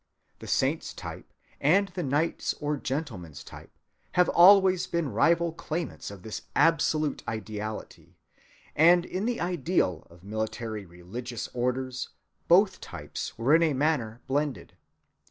The saint's type, and the knight's or gentleman's type, have always been rival claimants of this absolute ideality; and in the ideal of military religious orders both types were in a manner blended.